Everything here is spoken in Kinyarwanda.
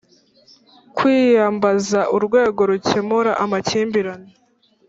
kwiyambaza urwego Rukemura amakimbirane